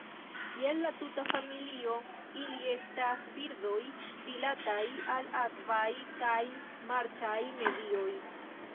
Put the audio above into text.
Kiel la tuta familio, ili estas birdoj rilataj al akvaj kaj marĉaj medioj.